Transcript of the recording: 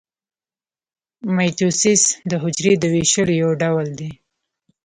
مایټوسیس د حجرې د ویشلو یو ډول دی